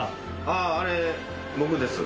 あっあれ僕です。